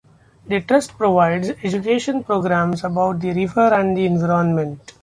The Trust provides education programs about the river and the environment.